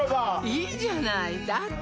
いいじゃないだって